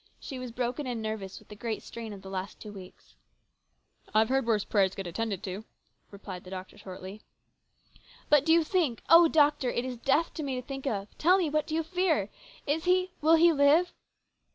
She was broken and nervous with the great strain of the last two weeks. " I've heard worse prayers get attended to," replied the doctor shortly. " But do you think oh, doctor, it is death to me to think of tell me, what do you fear ? Is he will he live?"